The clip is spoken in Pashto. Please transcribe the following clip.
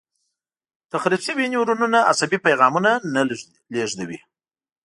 تخریب شوي نیورونونه عصبي پیغامونه نه لېږدوي.